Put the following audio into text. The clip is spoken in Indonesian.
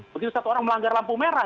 begitu satu orang melanggar lampu merah